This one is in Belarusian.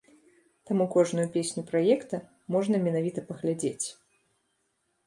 Таму кожную песню праекта можна менавіта паглядзець.